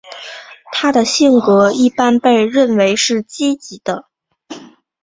她的性格一般被认为是积极的。